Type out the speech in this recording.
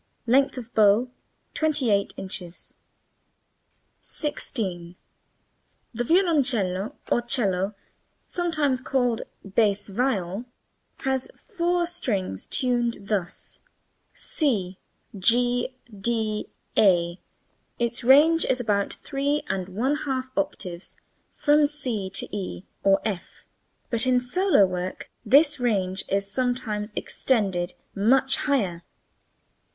Length of bow, 28 in.] 16. The violoncello or cello (sometimes called bass viol) has four strings, tuned thus: [Illustration: C G d a]. Its range is about three and one half octaves (from C to e'' or f''), but in solo work this range is sometimes extended much higher.